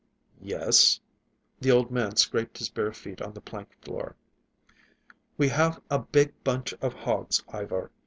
"Yes?" The old man scraped his bare feet on the plank floor. "We have a big bunch of hogs, Ivar.